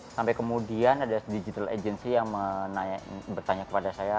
sampai kemudian ada digital agency yang bertanya kepada saya